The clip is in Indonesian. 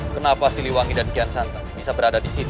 kenapa siliwangi dan kian santar bisa berada disini